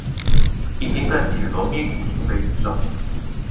已經在緊鑼密鼓籌備之中